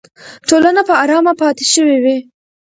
ټولنه به ارامه پاتې شوې وي.